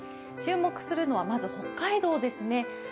注目するのは、まず北海道ですね。